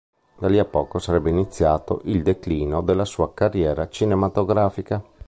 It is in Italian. Da lì a poco sarebbe iniziato il declino della sua carriera cinematografica.